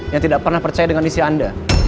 yang tidak pernah percaya dengan isi anda